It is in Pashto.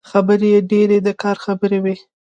خبرې يې ډېرې د کار خبرې وې.